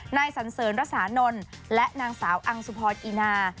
นายสันเสิร์นระสานนลและนางสาวอังสุพรอินา